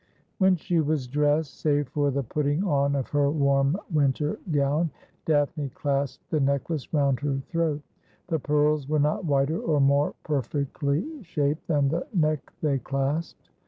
When she was dressed, save for the putting, on of her warm winter gown. Daphne clasped the necklace round her throat. The pearls were not whiter or more perfectly shaped than the neck they clasped.